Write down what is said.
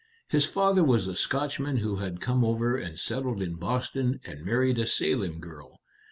His father was a Scotchman who had come over and settled in Boston and married a Salem girl.